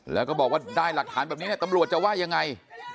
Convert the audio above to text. แล้วก็บอกว่าได้หลักฐานแบบนี้เนี่ยตำรวจจะว่ายังไง